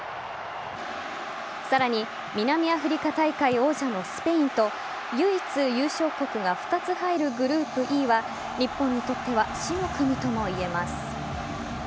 さらに南アフリカ大会王者のスペインと唯一優勝国が２つ入るグループＥは日本にとっては死の組ともいえます。